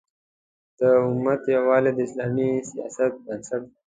د امت یووالی د اسلامي سیاست بنسټ دی.